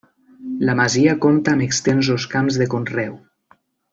La masia compta amb extensos camps de conreu.